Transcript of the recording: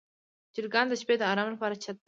چرګان د شپې د آرام لپاره چت ته ځي.